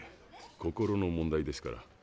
心の問題ですから。